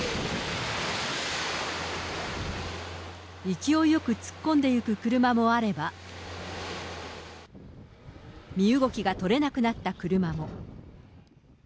勢いよく突っ込んでいく車もあれば、身動きが取れなくなった車も。